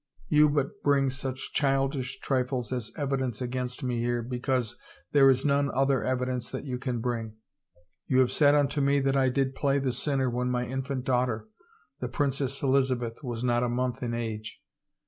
You but bring such childish trifles as evidence against me here because there is none other evidence that you can bring. ... You have said unto me that I did play the sinner when my infant daughter, the Princess Eliza beth, was not a month in age.